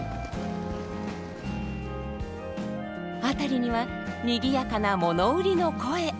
辺りには賑やかな物売りの声。